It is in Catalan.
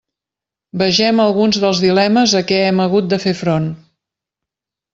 Vegem alguns dels dilemes a què hem hagut de fer front.